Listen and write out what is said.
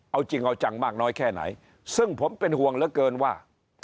เอาจริงเอาจังมากน้อยแค่ไหนซึ่งผมเป็นห่วงเหลือเกินว่า